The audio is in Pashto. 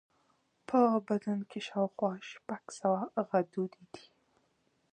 په بدن کې شاوخوا شپږ سوه غدودي دي.